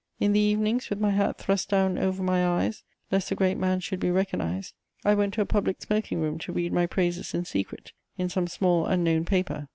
In the evenings, with my hat thrust down over my eyes, lest the great man should be recognised, I went to a public smoking room to read my praises in secret, in some small, unknown paper.